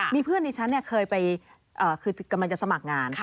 มีเพื่อนดิฉันเนี่ยเคยไปกำลังจะสมัครงาน